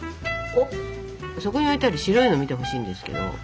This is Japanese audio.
そこに置いてある白いの見てほしいんですけど。